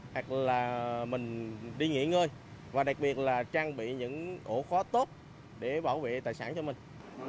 hoặc là mình đi nghỉ ngơi và đặc biệt là trang bị những ổ khóa tốt để bảo vệ tài sản cho mình